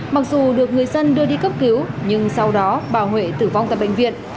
mặc dù được người dân đưa đi cấp cứu nhưng sau đó bà huệ tử vong tại bệnh viện